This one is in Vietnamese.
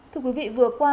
thưa quý vị vừa qua